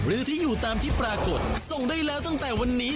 หรือที่อยู่ตามที่ปรากฏส่งได้แล้วตั้งแต่วันนี้